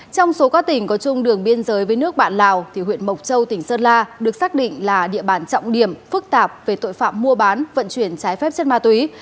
trong số các tỉnh có chung đường biên giới với nước bạn lào huyện mộc châu tỉnh sơn la được xác định là địa bàn trọng điểm phức tạp về tội phạm mua bán vận chuyển trái phép chất ma túy